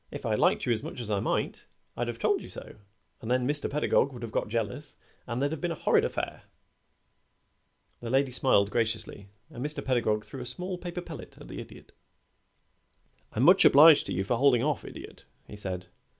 "If I'd liked you as much as I might I'd have told you so, and then Mr. Pedagog would have got jealous and there'd have been a horrid affair." The lady smiled graciously, and Mr. Pedagog threw a small paper pellet at the Idiot. "I'm much obliged to you for holding off, Idiot," he said.